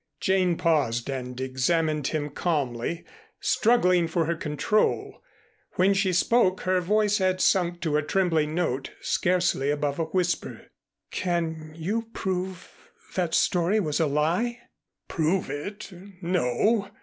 Jane paused and examined him calmly, struggling for her control. When she spoke her voice had sunk to a trembling note scarcely above a whisper. "Can you prove that story was a lie?" "Prove it? No.